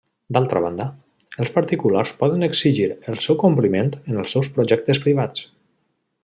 D'altra banda, els particulars poden exigir el seu compliment en els seus projectes privats.